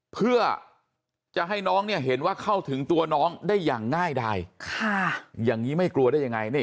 เพื่อจะให้น้องเนี่ยเห็นว่าเข้าถึงตัวน้องได้อย่างง่ายดายอย่างนี้ไม่กลัวได้ยังไง